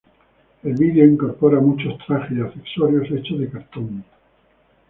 El vídeo incorpora muchos trajes y accesorios hechos de cartón.